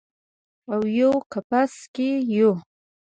اویو کپس کې یو